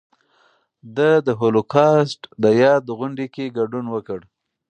ده د هولوکاسټ د یاد غونډې کې ګډون وکړ.